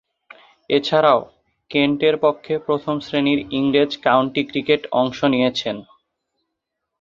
এছাড়াও, কেন্টের পক্ষে প্রথম-শ্রেণীর ইংরেজ কাউন্টি ক্রিকেটে অংশ নিয়েছেন।